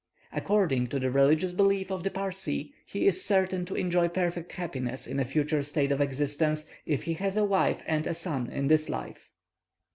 According to the religious belief of the Parsee, he is certain to enjoy perfect happiness in a future state of existence if he has a wife and a son in this life.